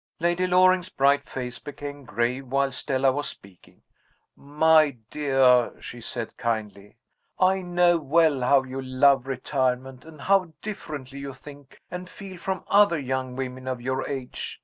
Lady Loring's bright face became grave while Stella was speaking. "My dear," she said kindly, "I know well how you love retirement, and how differently you think and feel from other young women of your age.